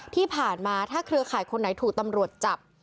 ที่ผ่านมาถ้าเครือข่ายคนไหนถูกตำรวจจับ